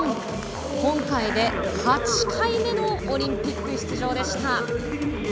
今回で８回目のオリンピック出場でした。